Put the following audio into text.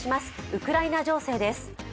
ウクライナ情勢です。